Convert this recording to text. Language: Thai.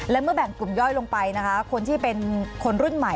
และเมื่อแบ่งกลุ่มย่อยลงไปนะคะคนที่เป็นคนรุ่นใหม่